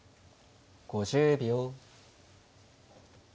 ５０秒。